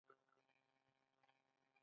آیا د کاشان او قم غالۍ هم مشهورې نه دي؟